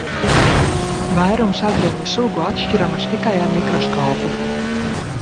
Vairums agreņu sugu atšķiramas tikai ar mikroskopu.